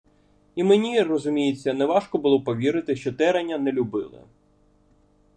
I мені, розуміється, не важко було повірити, що Тереня не любили.